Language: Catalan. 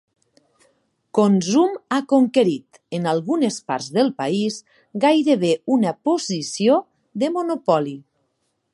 Konzum ha conquerit, en algunes parts del país, gairebé una posició de monopoli.